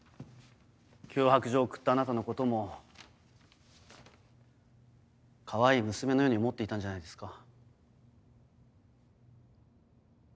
脅迫状を送ったあなたのこともかわいい娘のように思っていたんじゃないですか？